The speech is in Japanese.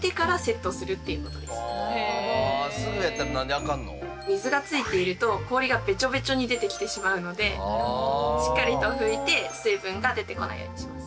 あすぐやったら何であかんの？水がついていると氷がベチョベチョに出てきてしまうのでしっかりとふいて水分が出てこないようにします。